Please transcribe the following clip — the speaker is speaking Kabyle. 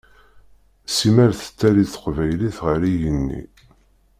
Simmal tettali teqbaylit ar igenni.